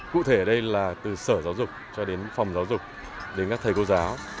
cụ thể ở đây là từ sở giáo dục cho đến phòng giáo dục đến các thầy cô giáo